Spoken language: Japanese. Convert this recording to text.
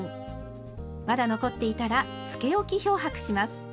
まだ残っていたらつけ置き漂白します。